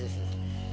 tidak ada diri